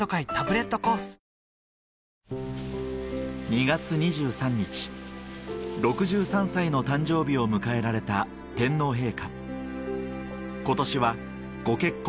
２月２３日６３歳の誕生日を迎えられた天皇陛下今年はご結婚